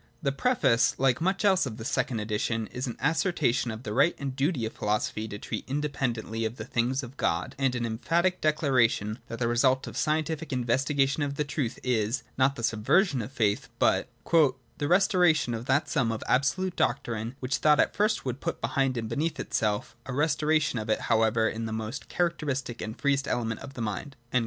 OF THE ENCYCLOPAEDIA. xix The Preface, like much else in this second edition, is an assertion of the right and the duty of philosophy to treat independently of the things of God, and an em phatic declaration that the result of scientific investiga tion of the truth is, not the subversion of the faith, but ' the restoration of that sum of absolute doctrine which thought at first would have put behind and beneath itself — a restoration of it however in the most charac teristic and the freest element of the mind.'